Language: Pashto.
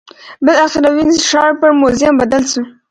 بالاخره وینز ښار پر موزیم بدل شو.